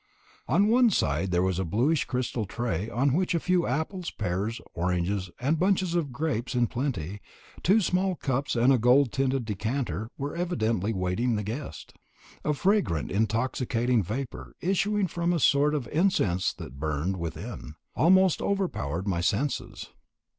On one side there was a bluish crystal tray on which a few apples, pears, oranges, and bunches of grapes in plenty, two small cups and a gold tinted decanter were evidently waiting the guest. A fragrant intoxicating vapour, issuing from a strange sort of incense that burned within, almost overpowered my senses.